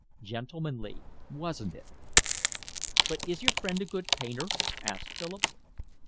Gentlemanly, wasn't it?" "But is your friend a good painter?" asked Philip.